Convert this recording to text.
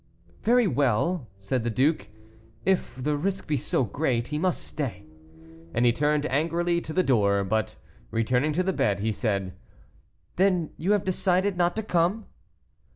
"Very well," said the duke, "if the risk be so great, he must stay." And he turned angrily to the door; but returning to the bed, he said, "Then you have decided not to come?"